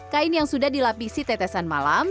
kain yang sudah dilapisi tetesan malam